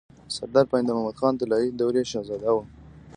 سردار پاينده محمد خان طلايي دورې شهزاده وو